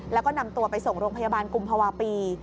แล้วก็นำตัวไปส่งโรงพยาบาลกุมภาวะปี